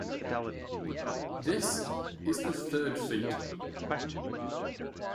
This is the third feat.